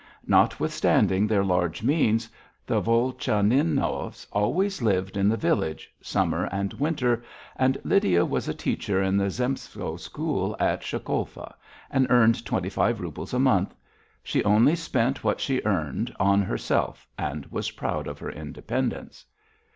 Notwithstanding their large means, the Volchaninovs always lived in the village, summer and winter, and Lydia was a teacher in the Zemstvo School at Sholkovka and earned twenty five roubles a month. She only spent what she earned on herself and was proud of her independence.